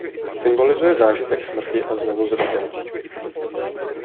Symbolizuje zážitek smrti a znovuzrození.